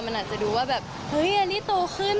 มันอาจจะดูว่าแบบเฮ้ยอันนี้โตขึ้น